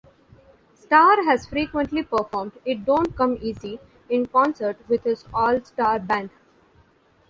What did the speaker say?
Starr has frequently performed "It Don't Come Easy" in concert with his All-Starr Band.